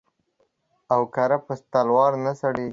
او گره په تلوار نه سړېږي.